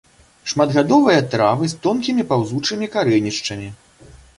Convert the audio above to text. Шматгадовыя травы з тонкімі паўзучымі карэнішчамі.